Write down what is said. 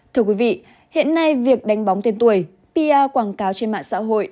thưa quý vị hiện nay việc đánh bóng tiên tuổi pr quảng cáo trên mạng xã hội